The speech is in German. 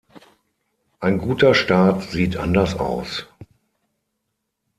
Ein guter Start sieht anders aus!